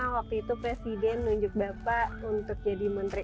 waktu itu presiden nunjuk bapak untuk jadi menteri